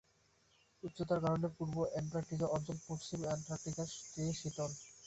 উচ্চতার কারণে পূর্ব অ্যান্টার্কটিকা অঞ্চল পশ্চিম অ্যান্টার্কটিকার চেয়ে শীতল।